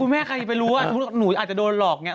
คุณแม่ใครไปรู้ว่าหนูอาจจะโดนหลอกอย่างนี้